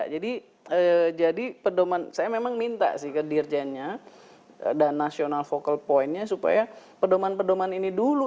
jadi jadi pedoman saya memang minta sih ke dirjennya dan national focal point nya supaya pedoman pedoman ini dulu